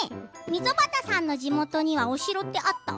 溝端さんの地元にはお城ってあった？